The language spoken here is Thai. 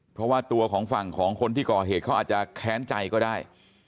เพราะว่าตัวของฝั่งของคนที่ก่อเหตุเขาอาจจะแค้นใจก็ได้